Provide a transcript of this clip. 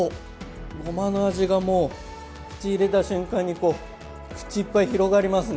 ごまの味がもう口入れた瞬間に口いっぱい広がりますね。